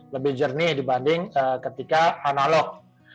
lebih jernih dibanding ketika analog